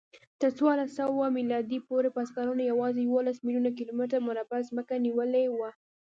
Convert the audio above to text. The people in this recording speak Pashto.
تر څوارلسسوه میلادي پورې بزګرانو یواځې یوولس میلیونه کیلومتره مربع ځمکه نیولې وه.